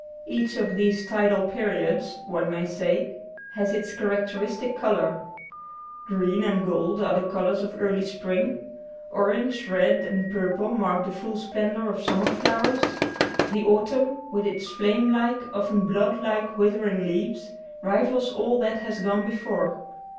Each of these tidal periods, one may say, has its characteristic colour: green and gold are the colours of early spring; orange, red, and purple mark the full splendour of summer flowers; the autumn, with its flame like, often blood like, withering leaves, rivals all that has gone before.